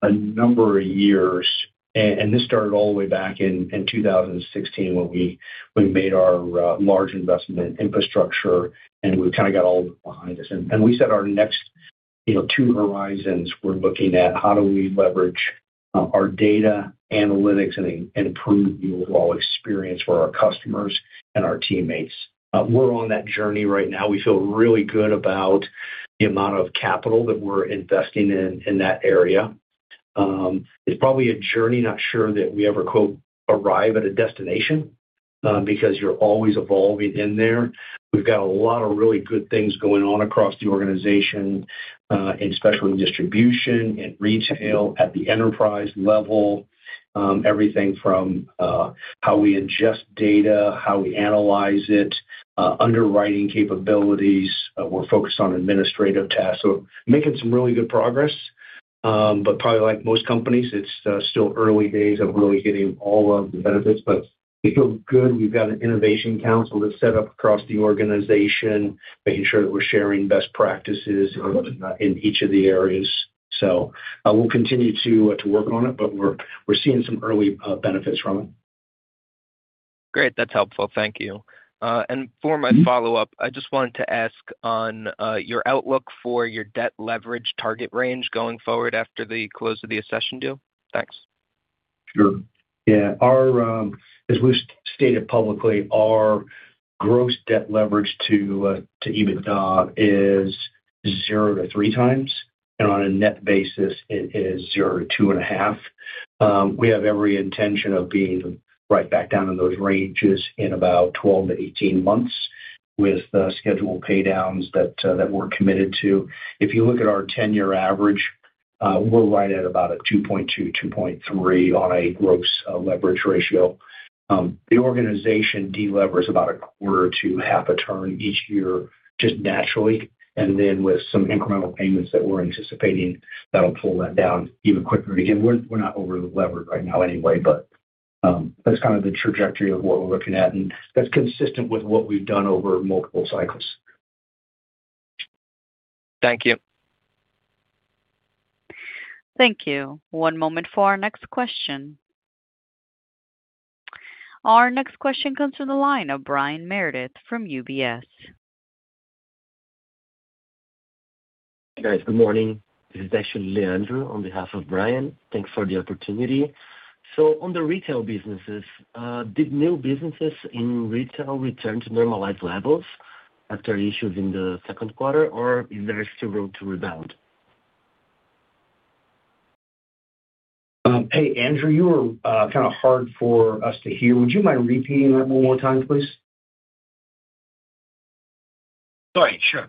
a number of years. This started all the way back in 2016 when we made our large investment in infrastructure, and we kind of got all behind us. We said our next, you know, two horizons we're looking at, how do we leverage our data analytics and improve the overall experience for our customers and our teammates? We're on that journey right now. We feel really good about the amount of capital that we're investing in that area. It's probably a journey, not sure that we ever quote "arrive at a destination" because you're always evolving in there. We've got a lot of really good things going on across the organization, especially in distribution and retail at the enterprise level. Everything from how we ingest data, how we analyze it, underwriting capabilities. We're focused on administrative tasks, making some really good progress. Probably like most companies, it's still early days of really getting all of the benefits. We feel good. We've got an innovation council that's set up across the organization, making sure that we're sharing best practices in each of the areas. We'll continue to work on it, but we're seeing some early benefits from it. Great. That's helpful. Thank you. For my follow-up, I just wanted to ask on your outlook for your debt leverage target range going forward after the close of the AssuredPartners deal. Thanks. Sure. As we've stated publicly, our gross debt leverage to EBITDA is 0x-3x. On a net basis, it is 0x-2.5x. We have every intention of being right back down in those ranges in about 12-18 months with the scheduled paydowns that we're committed to. If you look at our 10-year average, we're right at about a 2.2x-2.3x on a gross leverage ratio. The organization delivers about a quarter to half a turn each year just naturally. With some incremental payments that we're anticipating, that'll pull that down even quicker. We're not overleveraged right now anyway, but that's kind of the trajectory of what we're looking at. That's consistent with what we've done over multiple cycles. Thank you. Thank you. One moment for our next question. Our next question comes from the line of Brian Meredith from UBS. Good morning. This is actually Leandro on behalf of Brian. Thanks for the opportunity. On the retail businesses, did new businesses in retail return to normalized levels after issues in the second quarter, or is there still room to rebound? Hey, Leandro, you were kind of hard for us to hear. Would you mind repeating that one more time, please? Sorry. Sure.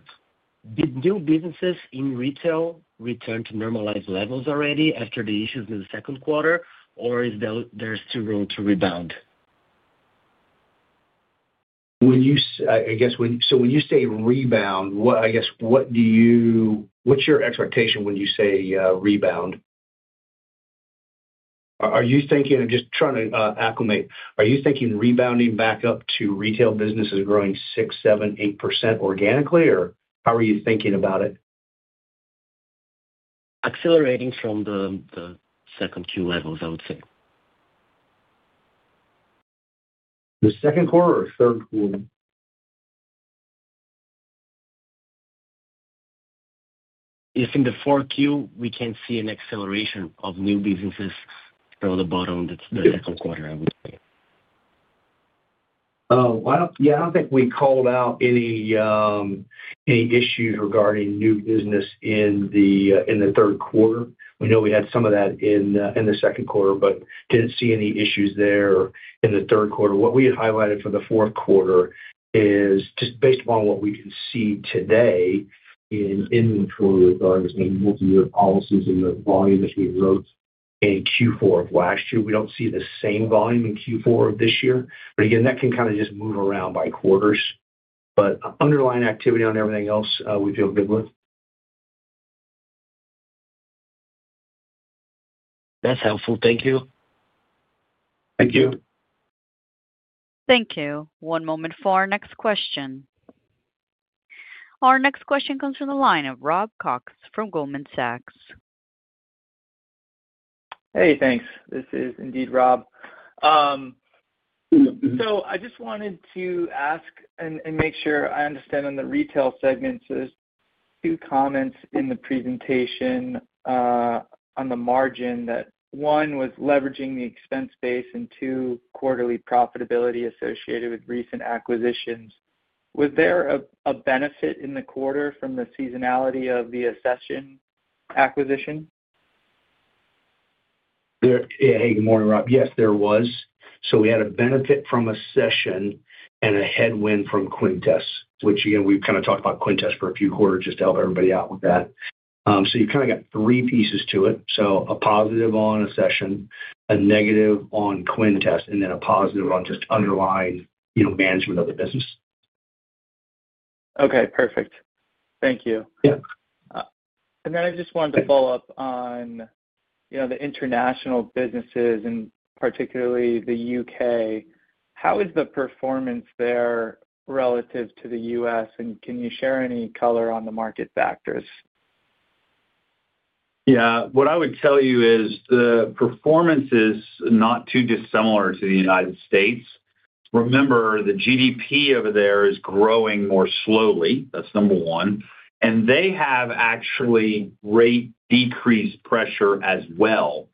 Did new businesses in Retail return to normalized levels already after the issues in the second quarter, or is there still room to rebound? When you say rebound, what's your expectation when you say rebound? Are you thinking of just trying to acclimate? Are you thinking rebounding back up to retail businesses growing 6%, 7%, 8% organically, or how are you thinking about it? Accelerating from the second-quarter levels, I would say. The second quarter or third quarter? It's in the fourth Q. We can see an acceleration of new businesses from the bottom of the second quarter, I would say. Yeah, I don't think we called out any issues regarding new business in the third quarter. We know we had some of that in the second quarter, but didn't see any issues there in the third quarter. What we had highlighted for the fourth quarter is just based upon what we can see today in inventory regardless of multi-year policies and the volume that we wrote in Q4 of last year. We don't see the same volume in Q4 of this year. That can kind of just move around by quarters. Underlying activity on everything else we feel good with. That's helpful. Thank you. Thank you. Thank you. One moment for our next question. Our next question comes from the line of Rob Cox from Goldman Sachs. Hey, thanks. This is indeed Rob. I just wanted to ask and make sure I understand on the retail segments, there's two comments in the presentation on the margin: one was leveraging the expense base, and two, quarterly profitability associated with recent acquisitions. Was there a benefit in the quarter from the seasonality of the AssuredPartners acquisition? Yeah, hey, good morning, Rob. Yes, there was. We had a benefit from a cession and a headwind from Quintus, which, again, we've kind of talked about Quintus for a few quarters just to help everybody out with that. You kind of got three pieces to it: a positive on a cession, a negative on Quintus, and then a positive on just underlying, you know, management of the business. Okay, perfect. Thank you. Yeah. I just wanted to follow up on the international businesses and particularly the U.K. How is the performance there relative to the U.S., and can you share any color on the market factors? What I would tell you is the performance is not too dissimilar to the United States. Remember, the GDP over there is growing more slowly. That's number one. They have actually rate decrease pressure as well.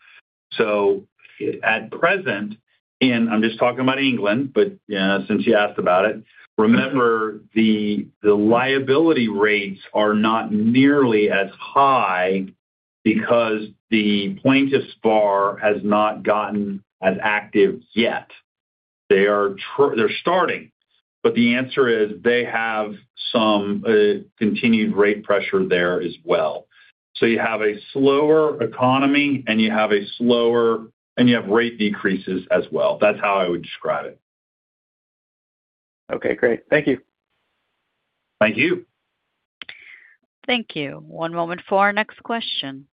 At present, and I'm just talking about England, but since you asked about it, remember the liability rates are not nearly as high because the plaintiff's bar has not gotten as active yet. They're starting, but the answer is they have some continued rate pressure there as well. You have a slower economy and you have rate decreases as well. That's how I would describe it. Okay, great. Thank you. Thank you. Thank you. One moment for our next question.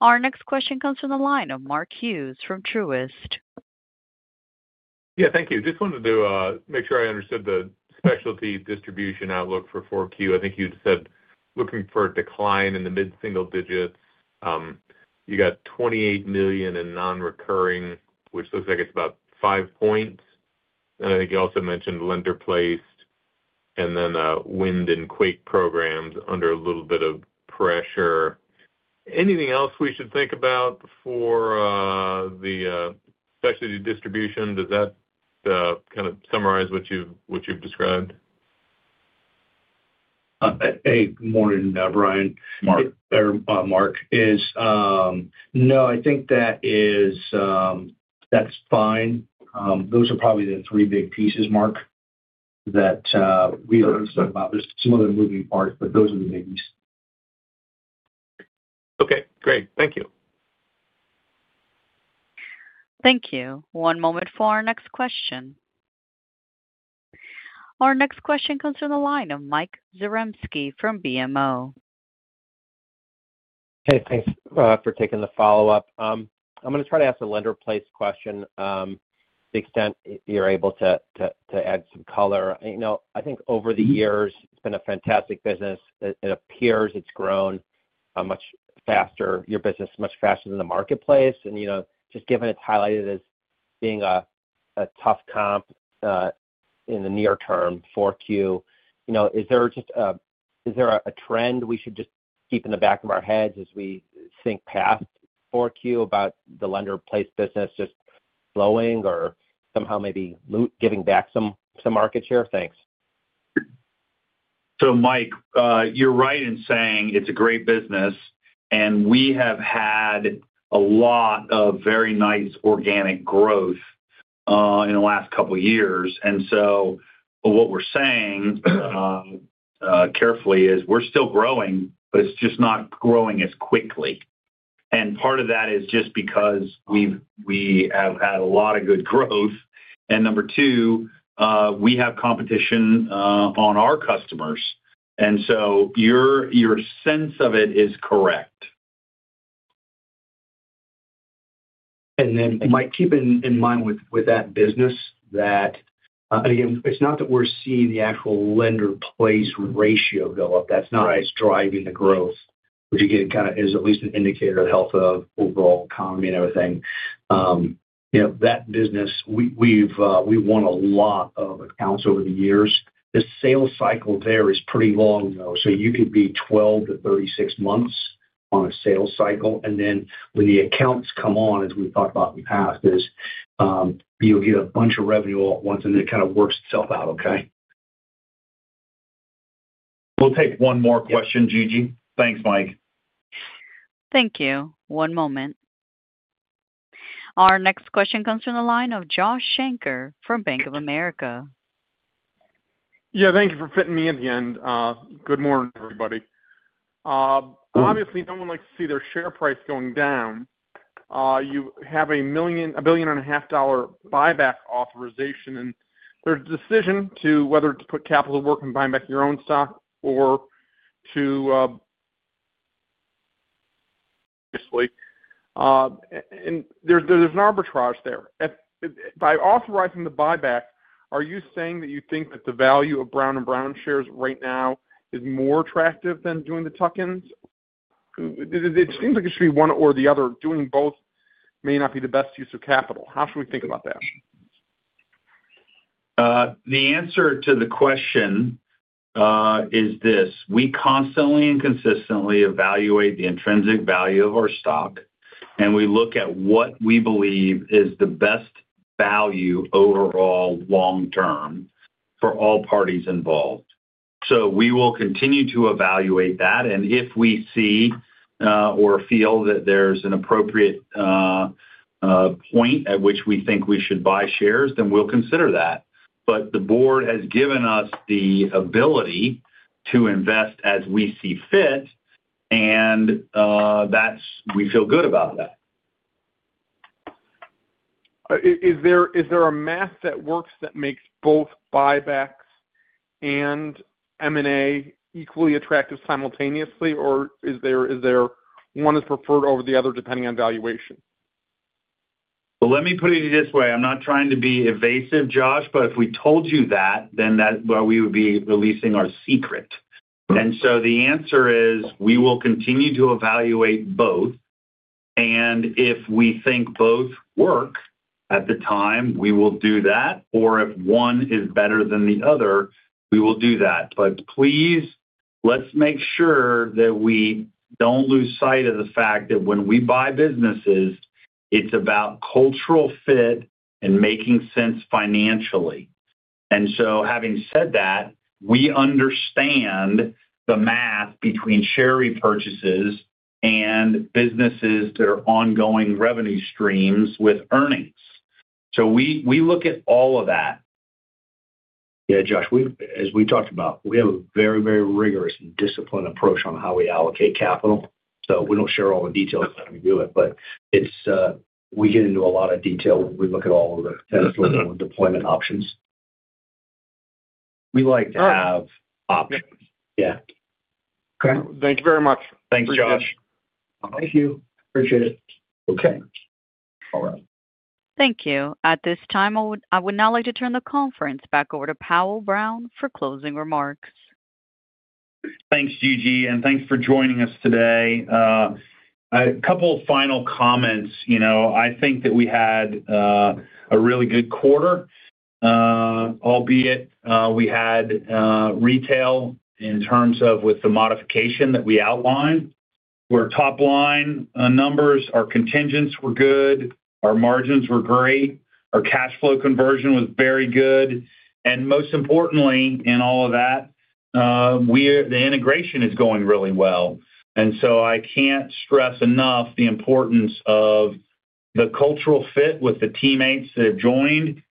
Our next question comes from the line of Mark Hughes from Truist. Yeah, thank you. Just wanted to make sure I understood the specialty distribution outlook for 4Q. I think you had said looking for a decline in the mid-single digits. You got $28 million in non-recurring, which looks like it's about 5%. I think you also mentioned lender-placed and then wind and quake programs under a little bit of pressure. Anything else we should think about for the specialty distribution? Does that kind of summarize what you've described? Hey, good morning, Brian. Mark. No, I think that is fine. Those are probably the three big pieces, Mark, that we are concerned about. There are some other moving parts, but those are the biggies. Okay, great. Thank you. Thank you. One moment for our next question. Our next question comes from the line of Mike Zaremski from BMO. Hey, thanks for taking the follow-up. I'm going to try to ask a lender-placed question to the extent you're able to add some color. I think over the years, it's been a fantastic business. It appears it's grown much faster, your business much faster than the marketplace. Just given it's highlighted as being a tough comp in the near term, 4Q, is there just a trend we should just keep in the back of our heads as we think past 4Q about the lender-placed business just flowing or somehow maybe giving back some market share? Thanks. Mike, you're right in saying it's a great business, and we have had a lot of very nice organic growth in the last couple of years. What we're saying carefully is we're still growing, but it's just not growing as quickly. Part of that is just because we have had a lot of good growth. Number two, we have competition on our customers, and your sense of it is correct. Mike, keep in mind with that business that it's not that we're seeing the actual lender-placed ratio go up. That's not what's driving the growth, which is at least an indicator of the health of the overall economy and everything. That business, we've won a lot of accounts over the years. The sales cycle there is pretty long, though. You could be 12-36 months on a sales cycle. When the accounts come on, as we've talked about in the past, you'll get a bunch of revenue all at once, and it kind of works itself out, okay? We'll take one more question, Gigi. Thanks, Mike. Thank you. One moment. Our next question comes from the line of Josh Schenker from Bank of America. Thank you for fitting me in at the end. Good morning, everybody. Obviously, no one likes to see their share price going down. You have a $1.5 billion buyback authorization and their decision to whether to put capital to work and buy back your own stock or to, obviously, and there's an arbitrage there. By authorizing the buyback, are you saying that you think that the value of Brown & Brown shares right now is more attractive than doing the Tuckins? It seems like it should be one or the other. Doing both may not be the best use of capital. How should we think about that? The answer to the question is this: we constantly and consistently evaluate the intrinsic value of our stock, and we look at what we believe is the best value overall long-term for all parties involved. We will continue to evaluate that. If we see or feel that there's an appropriate point at which we think we should buy shares, then we'll consider that. The board has given us the ability to invest as we see fit, and we feel good about that. Is there a math that works that makes both buybacks and M&A equally attractive simultaneously, or is there one that's preferred over the other depending on valuation? Let me put it this way. I'm not trying to be evasive, Josh, but if we told you that, then we would be releasing our secret. The answer is we will continue to evaluate both. If we think both work at the time, we will do that, or if one is better than the other, we will do that. Please, let's make sure that we don't lose sight of the fact that when we buy businesses, it's about cultural fit and making sense financially. Having said that, we understand the math between share repurchases and businesses that are ongoing revenue streams with earnings. We look at all of that. Yeah, Josh, as we talked about, we have a very, very rigorous and disciplined approach on how we allocate capital. We don't share all the details of how we do it, but we get into a lot of detail when we look at all of the potential deployment options. We like to have options. Yeah. Okay, thank you very much. Thanks, Josh. Thank you. Appreciate it. Okay. All right. Thank you. At this time, I would now like to turn the conference back over to Powell Brown for closing remarks. Thanks, Gigi, and thanks for joining us today. A couple of final comments. I think that we had a really good quarter, albeit we had retail in terms of with the modification that we outlined, where top-line numbers, our contingents were good, our margins were great, our cash flow conversion was very good. Most importantly, in all of that, the integration is going really well. I can't stress enough the importance of the cultural fit with the teammates that have joined.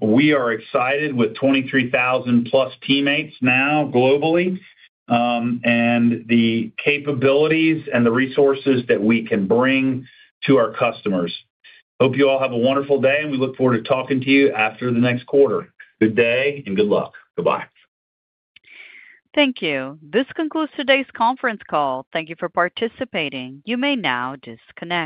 We are excited with 23,000+ teammates now globally, and the capabilities and the resources that we can bring to our current customers, Hope you all have a wonderful day, and we look forward to talking to you after the next quarter. Good day and good luck. Goodbye. Thank you. This concludes today's conference call. Thank you for participating. You may now disconnect.